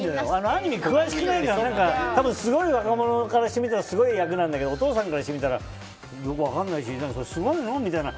アニメ詳しくないから多分、若者からしてみたらすごい役なんだけどお父さんからするとよく分かんないしすごいの？みたいな。